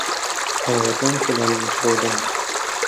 أنا وتوم كلانا مشغولان